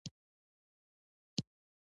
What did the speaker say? لیک ورته ورسېدی.